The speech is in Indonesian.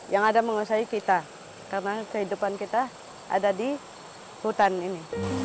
yang ada menguasai kita karena kehidupan kita ada di hutan ini